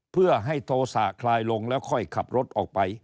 เพื่อให้โทษะคลายลงแล้วค่อยขับรถออกไป